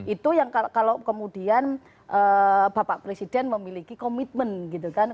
itu yang kalau kemudian bapak presiden memiliki komitmen gitu kan